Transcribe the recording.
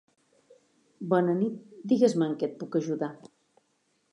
Bona nit, digues-me en què et puc ajudar.